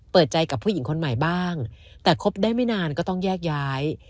เปิดใจกับผู้หญิงคนใหม่บ้างแต่คบได้ไม่นานก็ต้องแยกย้าย